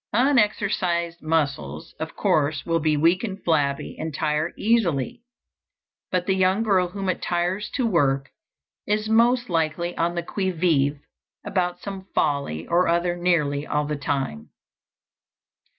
Unexercised muscles, of course, will be weak and flabby and tire easily. But the young girl whom it tires to work is most likely on the qui vive about some folly or other nearly all the time.